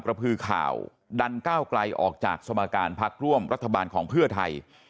พือข่าวดันก้าวไกลออกจากสมการพักร่วมรัฐบาลของเพื่อไทย